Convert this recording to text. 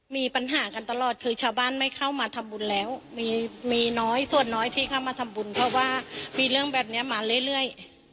มีปัญหากันตลอดคือชาวบ้านไม่เข้ามาทำบุญแล้วมีน้อยส่วนน้อยที่เข้ามาทำบุญเพราะว่ามีเรื่องแบบนี้มาเรื่อย